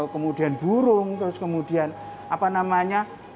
kemudian burung terus kemudian apa namanya